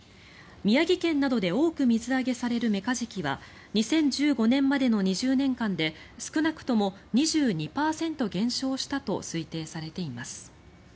宮城県などで多く水揚げされるメカジキは２０１５年までの２０年間で少なくとも２２％減少したと推定されています。